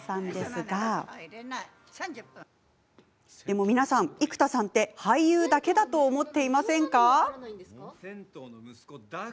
ところで皆さん、生田さんって俳優だけだと思っていませんか？